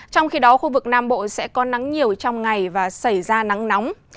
trong khi đó khu vực nam bộ sẽ có nắng nhiều trong ngày và xảy ra nắng nóng